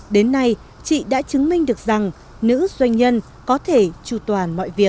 đến nay chị đã chứng minh được rằng nữ doanh nhân có thể tru toàn mọi việc